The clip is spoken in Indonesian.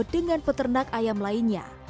dengan peternak ayam lainnya